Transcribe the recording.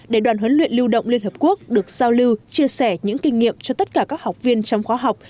để đoàn huấn luyện lưu động liên hợp quốc được giao lưu chia sẻ những kinh nghiệm cho tất cả các học viên trong khóa học